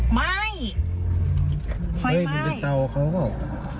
ไหม้ไฟไหม้เฮ้ยมันเป็นเตาเขาก็ออก